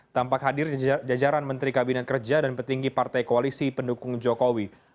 tampak hadir jajaran menteri kabinet kerja dan petinggi partai koalisi pendukung jokowi